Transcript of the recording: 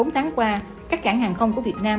bốn tháng qua các cảng hàng không của việt nam